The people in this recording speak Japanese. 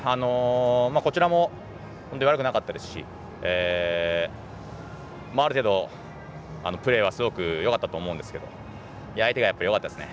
こちらも出来は悪くなかったですしある程度プレーはすごくよかったと思うんですけど相手がよかったですね。